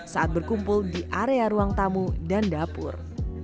saat berkumpul di area ruang tamu dan dapur